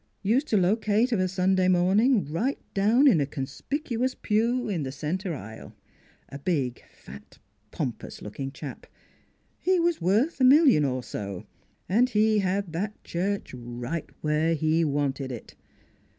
Used to locate of a Sunday morning right down in a conspicuous pew in the center aisle a big, fat, pompous looking chap. He was worth a million or so; and he had that church right where he wanted it.